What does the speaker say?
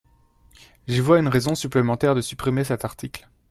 J’y vois une raison supplémentaire de supprimer cet article.